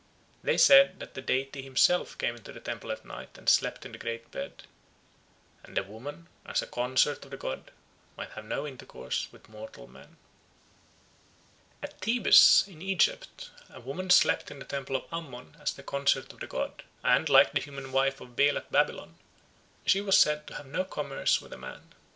They said that the deity himself came into the temple at night and slept in the great bed; and the woman, as a consort of the god, might have no intercourse with mortal man. At Thebes in Egypt a woman slept in the temple of Ammon as the consort of the god, and, like the human wife of Bel at Babylon, she was said to have no commerce with a man.